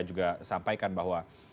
juga sampaikan bahwa